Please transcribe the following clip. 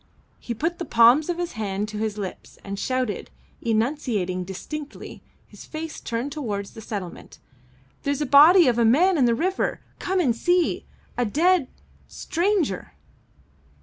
He put the palms of his hand to his lips and shouted, enunciating distinctly, his face turned towards the settlement: "There's a body of a man in the river! Come and see! A dead stranger!"